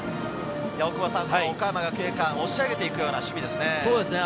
岡山学芸館、押し上げていくような守備ですね。